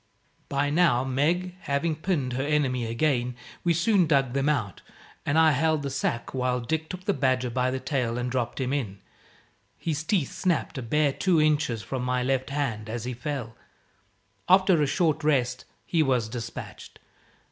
But now, Meg having pinned her enemy again, we soon dug them out: and I held the sack while Dick took the badger by the tail and dropped him in. His teeth snapped, a bare two inches from my left hand, as he fell. After a short rest, he was despatched.